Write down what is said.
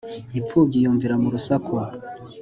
impfubyi yumvira mu urusaku